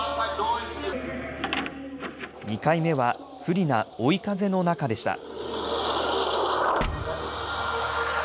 ２回目は不利な追い風の中でした。